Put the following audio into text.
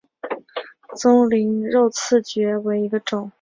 棕鳞肉刺蕨为鳞毛蕨科肉刺蕨属下的一个种。